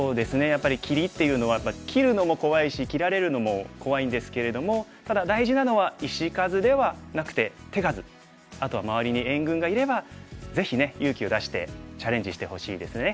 やっぱり切りっていうのは切るのも怖いし切られるのも怖いんですけれどもただ大事なのはあとは周りに援軍がいればぜひね勇気を出してチャレンジしてほしいですね。